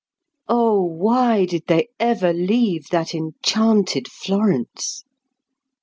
Oh, why did they ever leave that enchanted Florence!